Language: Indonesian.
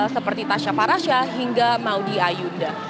seperti tasha farasya hingga maudie ayunda